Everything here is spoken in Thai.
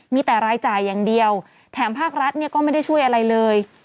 มีแต่รายจ่ายอย่างเดียวแถมภาครัฐเนี่ยก็ไม่ได้ช่วยอะไรเลย